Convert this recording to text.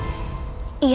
banyak musuh mencari kita